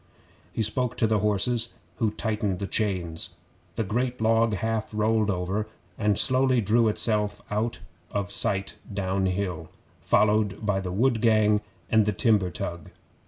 He spoke to the horses, who tightened the chains. The great log half rolled over, and slowly drew itself out of sight downhill, followed by the wood gang and the timber tug.